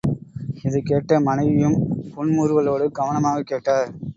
இதைக் கேட்ட மனைவியும் புன் முறுவலோடு கவனமாகக் கேட்டார்.